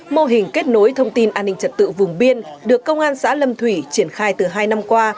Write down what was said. mô hình kết nối thông tin án hình tật tự vùng biên được công an xã lâm thủy triển khai từ hai năm qua